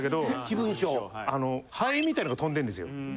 ハエみたいなのが飛んでんですよ。